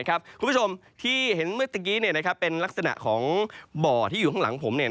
คุณผู้ชมที่เห็นเมื่อตะกี้เป็นลักษณะของบ่อที่อยู่ข้างหลังผม